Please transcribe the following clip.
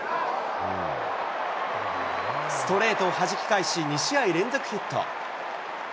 ストレートをはじき返し、２試合連続ヒット。